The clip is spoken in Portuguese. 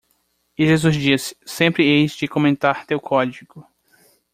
E Jesus disse, Sempre eis de comentar teu código.